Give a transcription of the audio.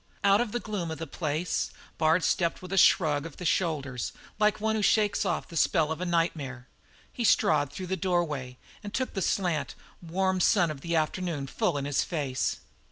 Out of the gloom of the place, Bard stepped with a shrug of the shoulders, like one who shakes off the spell of a nightmare. He strode through the doorway and took the slant, warm sun of the afternoon full in his face.